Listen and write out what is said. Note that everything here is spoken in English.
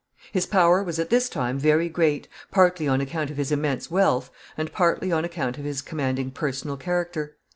His power was at this time very great, partly on account of his immense wealth, and partly on account of his commanding personal character.